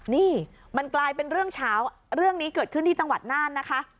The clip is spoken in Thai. นี่มันกลายเป็นเรื่องเช้าเรื่องนี้เกิดขึ้นที่จังหวัดน่านนะคะ